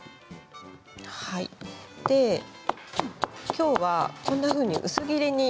きょうはこんなふうに薄切りに。